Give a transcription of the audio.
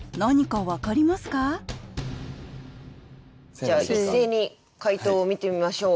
じゃあ一斉に解答を見てみましょう。